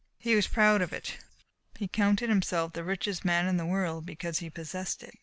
He was proud of it. He counted himself the richest man in the world because he possessed it.